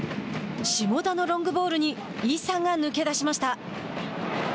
下田のロングボールに伊佐が抜け出しました。